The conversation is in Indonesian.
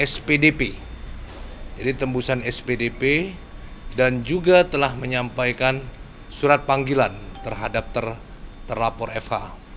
saya juga telah menyampaikan surat panggilan terhadap terlapor fh